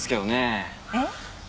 えっ？